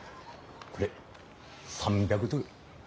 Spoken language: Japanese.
これ３００ドル。